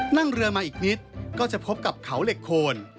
นั่งเรือมาอีกนิดก็จะพบกับเขาเหล็กโคน